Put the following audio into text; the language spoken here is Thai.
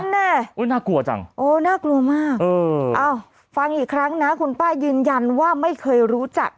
แน่น่ากลัวจังโอ้น่ากลัวมากฟังอีกครั้งนะคุณป้ายืนยันว่าไม่เคยรู้จัก